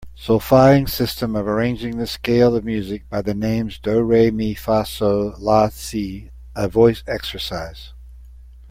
Solfaing system of arranging the scale of music by the names do, re, mi, fa, sol, la, si a voice exercise.